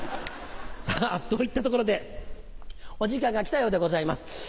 さぁといったところでお時間が来たようでございます。